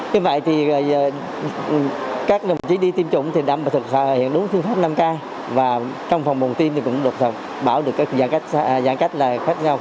như vậy thì các đồng chí đi tiêm chủng thì đảm bảo thực hiện đúng thương pháp năm k và trong phòng bồn tiêm thì cũng được bảo được giãn cách khoảng hai m